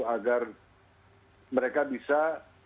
agar mereka bisa